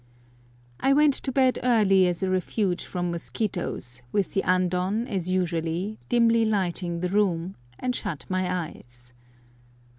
I went to bed early as a refuge from mosquitoes, with the andon, as usual, dimly lighting the room, and shut my eyes.